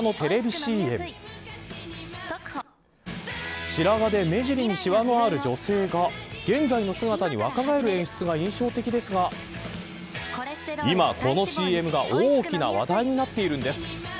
ＣＭ白髪で目尻にしわがある女性が現在の姿に若返る演出が印象的ですが今、このＣＭが大きな話題になっているんです。